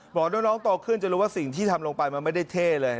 บอกว่าน้องโตขึ้นจะรู้ว่าสิ่งที่ทำลงไปมันไม่ได้เท่เลย